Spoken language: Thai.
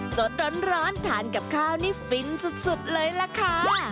สดร้อนทานกับข้าวนี่ฟินสุดเลยล่ะค่ะ